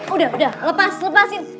udah udah lepas lepasin